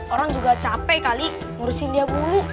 orang juga capek kali ngurusin dia dulu